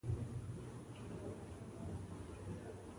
سټېفنس ځواب ورکوي زه له هغې راتلونکې راستون شوی یم